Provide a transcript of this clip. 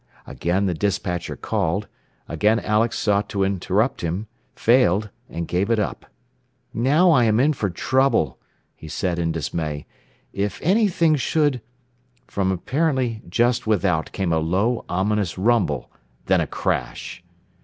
Again the despatcher called, again Alex sought to interrupt him, failed, and gave it up. "Now I am in for trouble," he said in dismay. "If anything should " From apparently just without came a low, ominous rumble, then a crash.